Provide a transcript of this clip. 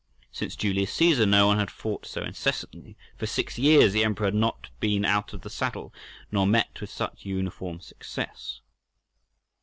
Since Julius Caesar no one had fought so incessantly—for six years the emperor had not been out of the saddle—nor met with such uniform success.